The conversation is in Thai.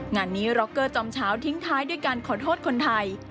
งานนี้ร็อกเกอร์จอมเช้าทิ้งท้ายด้วยการขอโทษคนไทย